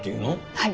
はい。